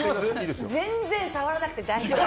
全然、触らなくて大丈夫！